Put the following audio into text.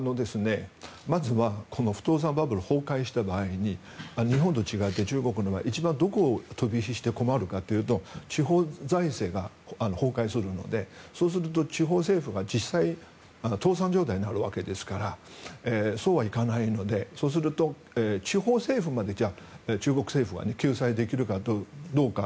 まずはこの不動産バブルが崩壊した場合に日本と違って中国の場合一番、どこに飛び火して困るかというと地方財政が崩壊するのでそうすると地方政府が実際倒産状態になるわけですからそうはいかないのでそうすると、地方政府までじゃあ中国政府は救済できるかどうか。